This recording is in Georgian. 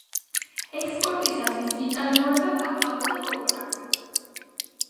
ექსპორტისათვის იწარმოება კაკაო და კოპრა.